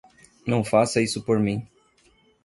Não faça isso por mim!